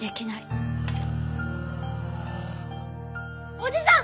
おじさん！